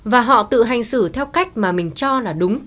và họ tự hành xử theo cách mà mình cho là đúng